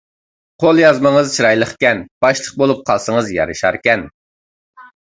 قول يازمىڭىز چىرايلىقكەن، باشلىق بولۇپ قالسىڭىز يارىشاركەن.